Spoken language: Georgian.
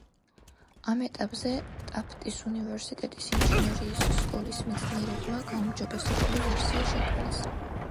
ამ ეტაპზე, ტაფტის უნივერსიტეტის ინჟინერიის სკოლის მეცნიერებმა გაუმჯობესებული ვერსია შექმნეს.